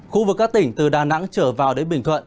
khu vực các tỉnh từ đà nẵng trở vào đến bình thuận